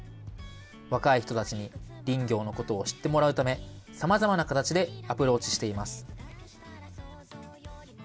若い人たちに林業のことを知ってもらうため、さまざまな形でアプローチしています。